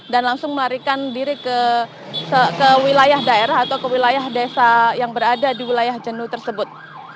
dan langsung melarikan diri ke wilayah daerah atau ke wilayah desa yang berada di wilayah jenuh tersebut